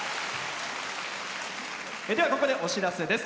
では、ここで、お知らせです。